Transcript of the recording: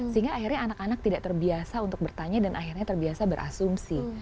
sehingga akhirnya anak anak tidak terbiasa untuk bertanya dan akhirnya terbiasa berasumsi